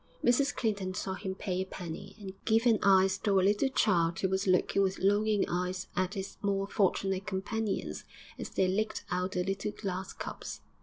Mrs Clinton saw him pay a penny and give an ice to a little child who was looking with longing eyes at its more fortunate companions as they licked out the little glass cups.